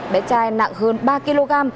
bé trai nặng hơn ba kg